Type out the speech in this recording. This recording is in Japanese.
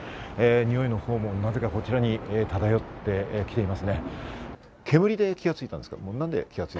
においのほうもなぜかこちらに漂ってきています。